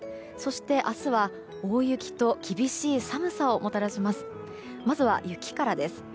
そして、明日は大雪と厳しい寒さをもたらします。